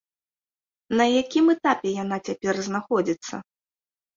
На якім этапе яна цяпер знаходзіцца?